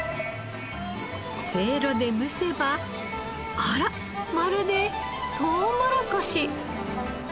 せいろで蒸せばあらまるでトウモロコシ。